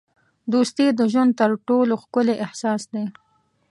دوستي د ژوند تر ټولو ښکلی احساس دی.